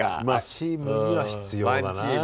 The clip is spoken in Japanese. まあチームには必要だな。